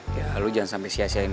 ya lo jangan sampe sia siain lo